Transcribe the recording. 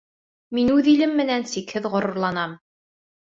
Мин үҙ илем менән сикһеҙ ғорурланам.